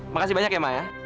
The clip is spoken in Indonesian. makasih banyak ya mak ya